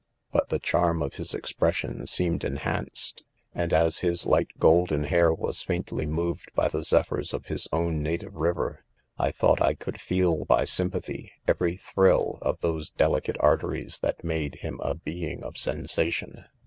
But the charm, of his expression seemed enhanced £ and as his. light golden hair was faintly mO'?ed by the zephyrs of his own native riveij I thought I could feel, by sympathy, every thrill of those delicate arteries tha^; made him . a h^ mg of sensation.